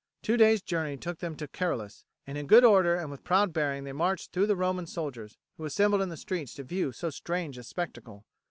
Two days' journey took them to Caralis, and in good order and with proud bearing they marched through the Roman soldiers, who assembled in the streets to view so strange a spectacle.